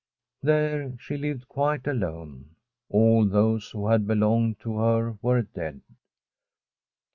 There she lived quite alone. All those who had belonged to her were dead.